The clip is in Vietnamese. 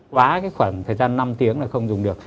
quá cái khoảng thời gian năm tiếng là không dùng được